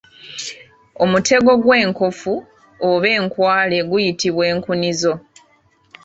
Omutego gwenkofu oba enkwale guyitibwa Enkunizo.